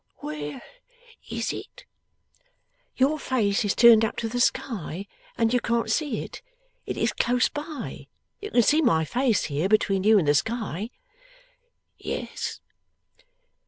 'Where is it?' 'Your face is turned up to the sky, and you can't see it. It is close by. You can see my face, here, between you and the sky?' 'Yes.